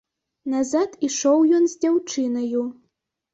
Назад ішоў ён з дзяўчынаю.